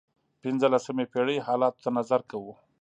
پنځلسمې پېړۍ حالاتو ته نظر کوو.